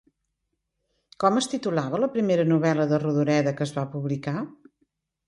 Com es titulava la primera novel·la de Rodoreda que es va publicar?